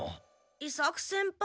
伊作先輩